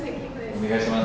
お願いします。